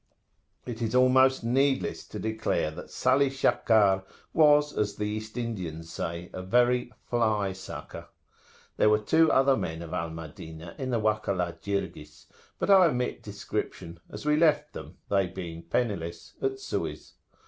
It is almost needless to declare that Salih Shakkar was, as the East Indians say, a very "fly sucker.[FN#2]" There were two other men of Al Madinah in the Wakalah Jirgis; but I omit description, as we left them, they being penniless, at Suez.